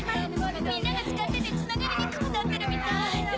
みんなが使っててつながりにくくなってるみたい。